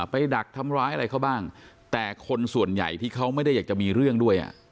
ดักทำร้ายอะไรเขาบ้างแต่คนส่วนใหญ่ที่เขาไม่ได้อยากจะมีเรื่องด้วย